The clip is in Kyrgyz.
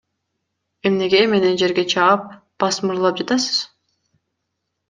Эмнеге мени жерге чаап, басмырлап жатасыз?